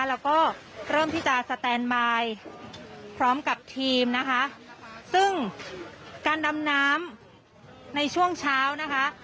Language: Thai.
แล้วก็เริ่มที่จะสแตนบายพร้อมกับทีมนะคะซึ่งการดำน้ำในช่วงเช้านะคะ